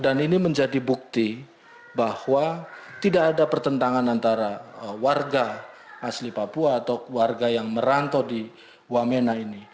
dan ini menjadi bukti bahwa tidak ada pertentangan antara warga asli papua atau warga yang merantau di wamena ini